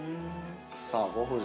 ◆さあ、ご夫人、